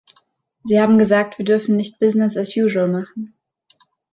Sie haben gesagt, wir dürfen nicht Business as usual machen.